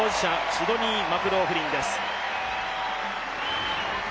シドニー・マクローフリンです。